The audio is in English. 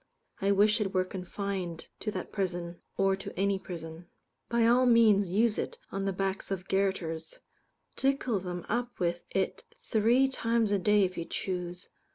I wish it were confined to that prison, or to any prison. By all means use it on the backs of garotters. Tickle them up with it three times a day if you choose.